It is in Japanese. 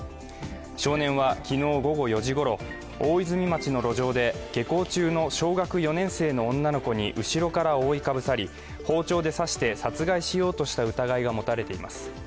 少年は昨日午後４時ごろ、大泉町の路上で下校中の小学４年生の女の子に後ろから覆い被さり包丁で刺して殺害しようとした疑いが持たれています。